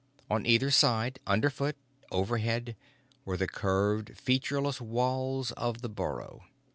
On either side, underfoot, overhead, were the curved, featureless walls of the burrow.